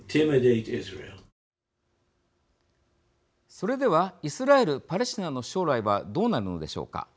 それではイスラエル・パレスチナの将来はどうなるのでしょうか。